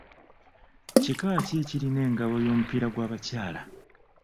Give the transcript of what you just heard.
Kika ki ekirina engabo y’omupiira gw’abakyala?